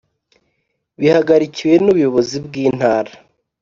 bihagarikiwe n’ubuyobozi bw’intara